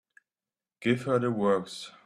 Give her the works.